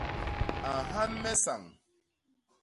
A nhan me sañ.